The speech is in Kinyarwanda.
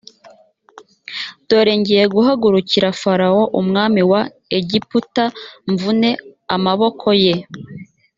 dore ngiye guhagurukira farawo umwami wa egiputa mvune amaboko ye